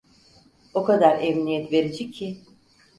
O kadar emniyet verici ki…